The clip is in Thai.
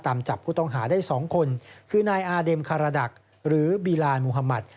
ตามจับผู้ต้องหาได้๒คนคือนายอาเด็มคาราดักหรือบีลานมุฮามัติ